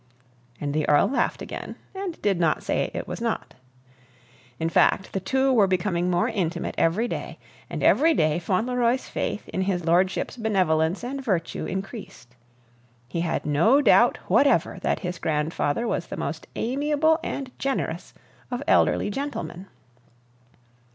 And the Earl laughed again, and did not say it was not. In fact, the two were becoming more intimate every day, and every day Fauntleroy's faith in his lordship's benevolence and virtue increased. He had no doubt whatever that his grandfather was the most amiable and generous of elderly gentlemen.